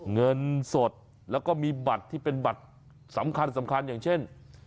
เงินสดแล้วก็มีบัตรที่เป็นบัตรสำคัญสำคัญอย่างเช่น